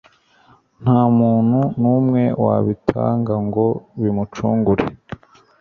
nta muntu n'umwe wabitanga ngo bimucungure